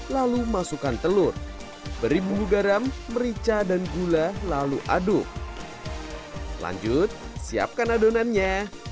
lalu masukkan telur beri bumbu garam merica dan gula lalu aduk lanjut siapkan adonannya